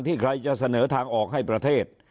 ใครจะเสนอทางออกให้ประเทศ